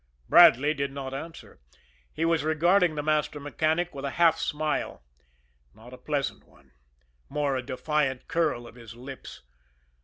Bradley did not answer. He was regarding the master mechanic with a half smile not a pleasant one more a defiant curl of his lips.